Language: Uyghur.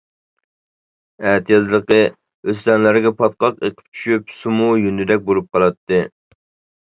ئەتىيازلىقى ئۆستەڭلەرگە پاتقاق ئېقىپ چۈشۈپ، سۇمۇ يۇندىدەك بولۇپ قالاتتى.